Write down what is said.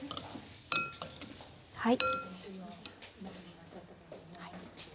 はい。